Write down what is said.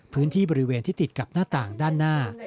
พื้นที่บริเวณที่ติดกับหน้าต่างด้านหน้า